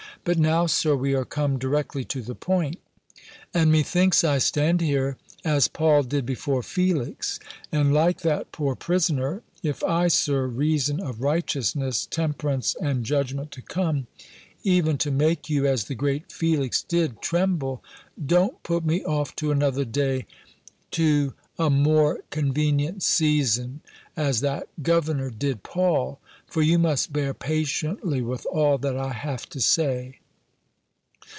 But now, Sir, we are come directly to the point; and methinks I stand here as Paul did before Felix; and like that poor prisoner, if I, Sir, reason of righteousness, temperance, and judgment to come, even to make you, as the great Felix did, tremble, don't put me off to another day, to a more convenient season, as that governor did Paul; for you must bear patiently with all that I have to say."